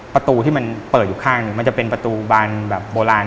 ประตูที่มันเปิดอยู่ข้างหนึ่งมันจะเป็นประตูบานแบบโบราณ